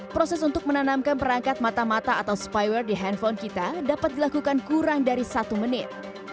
proses untuk menanamkan perangkat mata mata atau spywear di handphone kita dapat dilakukan kurang dari satu menit